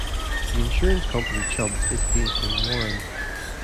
The insurance company Chubb is based in Warren.